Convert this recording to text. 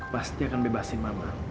pasti akan bebasin mama